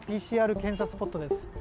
ＰＣＲ検査スポットです。